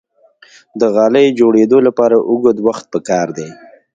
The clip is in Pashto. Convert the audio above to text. د غالۍ جوړیدو لپاره اوږد وخت پکار دی.